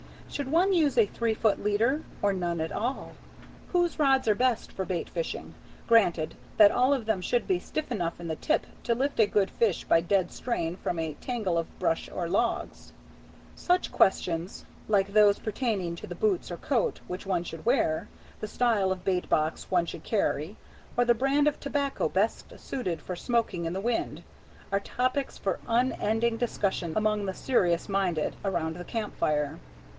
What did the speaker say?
Should one use a three foot leader, or none at all? Whose rods are best for bait fishing, granted that all of them should be stiff enough in the tip to lift a good fish by dead strain from a tangle of brush or logs? Such questions, like those pertaining to the boots or coat which one should wear, the style of bait box one should carry, or the brand of tobacco best suited for smoking in the wind, are topics for unending discussion among the serious minded around the camp fire.